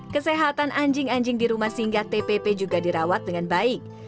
kesehatan anjing anjing di rumah singgah tpp juga dirawat dengan baik